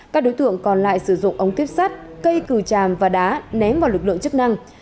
các đối tượng còn lại sử dụng ống tuyếp sắt cây cừu tràm và đá ném vào lực lượng chức năng